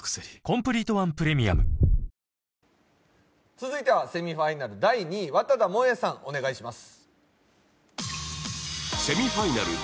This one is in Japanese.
続いてはセミファイナル第２位、和多田萌衣さんお願いします。